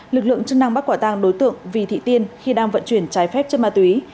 lực lượng chức năng bắt quả tang đối tượng vì thị tiên khi đang vận chuyển trái phép chất ma túy